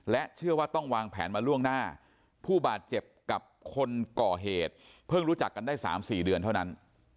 เชื่อว่าต้องวางแผนมาล่วงหน้าผู้บาดเจ็บกับคนก่อเหตุเพิ่งรู้จักกันได้๓๔เดือนเท่านั้น